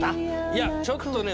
いやちょっとね